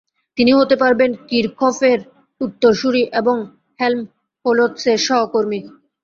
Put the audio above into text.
তিনি হতে পারবেন কির্খফের উত্তরসূরী এবং হেল্মহোলৎসের সহকর্মী।